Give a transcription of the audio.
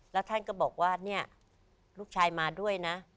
แล้วท่านก็บอกว่าเนี่ยลูกชายมาด้วยนะ